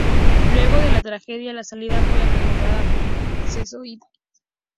Luego de la tragedia la salida fue renombrada como "Acceso L".